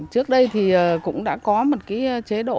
trước đây thì cũng đã có một chế độ